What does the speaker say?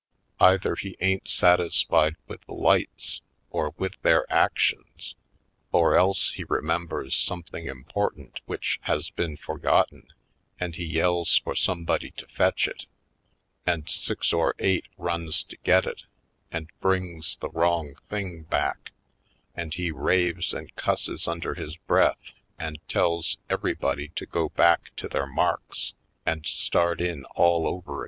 Either he ain't satisfied with the lights or with their actions or else he remembers something important which has been forgotten and he yells for some body to fetch it, and six or eight runs to get it and brings the wrong thing back, and he raves and cusses under his breath and tells everybody to go back to their marks and start in all over again.